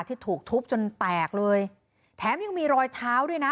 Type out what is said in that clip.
ที่ถูกทุบจนแตกเลยแถมยังมีรอยเท้าด้วยนะ